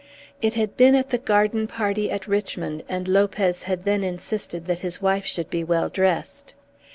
It had been at the garden party at Richmond, and Lopez had then insisted that his wife should be well dressed.